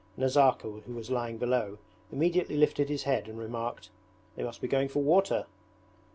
Nazarka who was lying below immediately lifted his head and remarked: 'They must be going for water.'